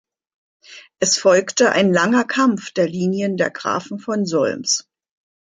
Es folgte ein langer Kampf der Linien der Grafen von Solms.